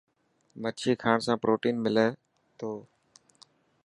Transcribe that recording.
مڇي کاڻ سان پروٽين ملي ٿي.